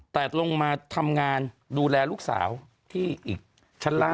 แต่ลงมาทำงานดูแลลูกสาวที่อีกชั้นล่าง